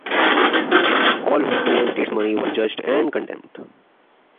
All who stole the state's money were judged and condemned.